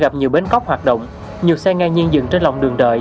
gặp nhiều bến cóc hoạt động nhiều xe ngang nhiên dựng trên lòng đường đợi